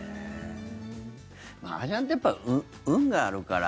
マージャンってやっぱり運があるから。